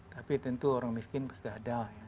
tapi tentu orang miskin pasti ada ya